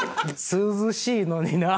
涼しいのになあ。